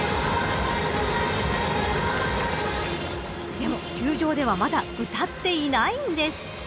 でも球場ではまだ歌っていないんです。